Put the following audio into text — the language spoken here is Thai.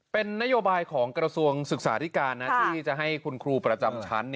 เป็นนโยบายของกระทรวงศึกษาธิการที่จะให้คุณครูประจำชั้น